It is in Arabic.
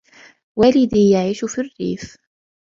والدي يعيش في الريف.